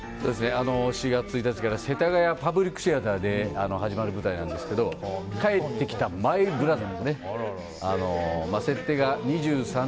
４月１日から世田谷パブリックシアターで始まる舞台なんですけど「帰ってきた・マイブラザー」。